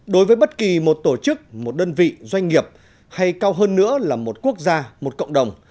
đối với bất kỳ một tổ chức một đơn vị doanh nghiệp hay cao hơn nữa là một quốc gia một cộng đồng